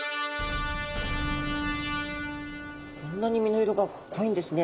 こんなに身の色が濃いんですね。